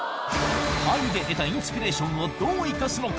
パリで得たインスピレーションをどう生かすのか？